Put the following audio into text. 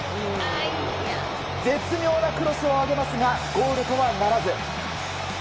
絶妙なクロスを上げますがゴールとはならず。